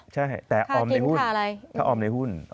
ใช่แต่ออมในหุ้นถ้าออมในหุ้น